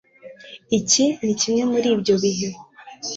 iki ni kimwe muri ibyo bihe